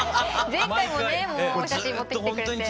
前回もねお写真持ってきてくれて。